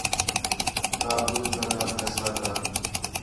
ڳالھ ٻُجھ ٻِیال فیصلہ کر